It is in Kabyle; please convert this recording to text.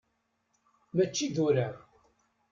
Mačči d urar.